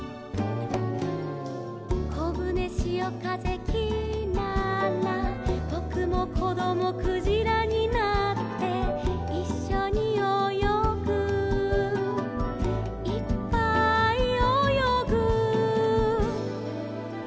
「こぶねしおかぜきらら」「ぼくもこどもクジラになって」「いっしょにおよぐいっぱいおよぐ」